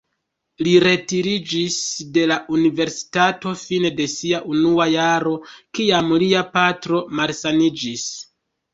Li retiriĝis de la universitato fine de sia unua jaro, kiam lia patro malsaniĝis.